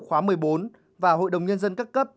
khóa một mươi bốn và hội đồng nhân dân các cấp